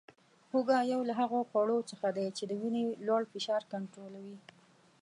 هوګه یو له هغو خوړو څخه دی چې د وینې لوړ فشار کنټرولوي